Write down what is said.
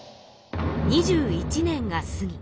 ２１年が過ぎ。